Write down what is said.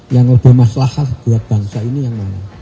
yang ada masalah buat bangsa ini yang mana